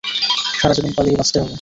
সারাজীবন পালিয়ে বাঁচতে হবে।